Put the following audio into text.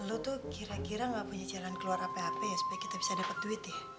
lo tuh kira kira ga punya jalan keluar api api ya supaya kita bisa dapat duit ya